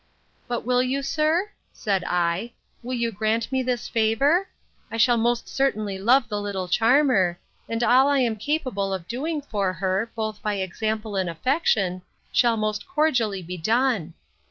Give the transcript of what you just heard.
—But will you, sir? said I; will you grant me this favour? I shall most sincerely love the little charmer; and all I am capable of doing for her, both by example and affection, shall most cordially be done.